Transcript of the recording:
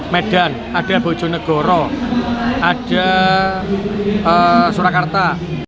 medan ada bojonegoro ada surakarta